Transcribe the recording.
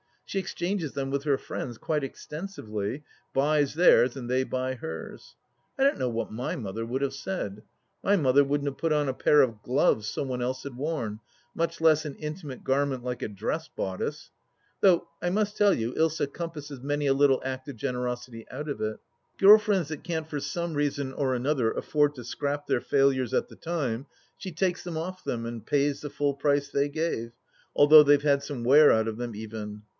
She exchanges them with her friends, quite extensively, buys theirs and they buy hers. I don't know what my mother would have said. My mother wouldn't have put on a pair of gloves some one else had worn, much less an intimate garment like a dress bodice. Though I must tell you Ilsa compasses many a little act of generosity out of it. Girl friends that can't for some reason or another afford to scrap their failures at the time, she takes them off them and pays the full price they gave, although they've had some wear out of them even.